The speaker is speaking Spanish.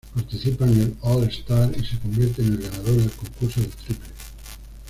Participa en el All-Star y se convierte en el ganador del concurso de triples.